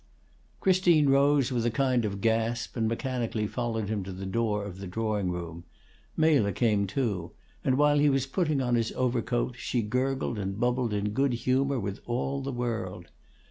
Christine rose, with a kind of gasp; and mechanically followed him to the door of the drawing room; Mela came, too; and while he was putting on his overcoat, she gurgled and bubbled in good humor with all the world.